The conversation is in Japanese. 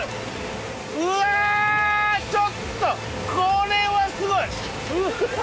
うわちょっとこれはすごい！うわ。